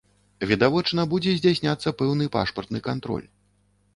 Відавочна будзе здзяйсняцца пэўны пашпартны кантроль.